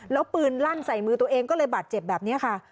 แล้วปืนลั่นใส่มือตัวเองก็เลยบาดเจ็บแบบนี้ค่ะ